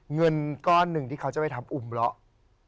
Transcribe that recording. เงินก้อนหนึ่งที่เขาจะไปทำอุ่มเลาะ